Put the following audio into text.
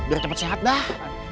biar cepat sehat dah